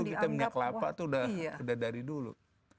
kita minyak kelapa itu sudah dari dulu